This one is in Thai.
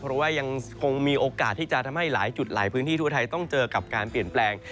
เพราะว่ายังคงมีโอกาสที่จะทำให้หลายจุดหลายพื้นที่ทั่วไทยต้องเจอกับการเปลี่ยนแปลง